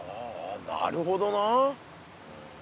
なるほどなあ。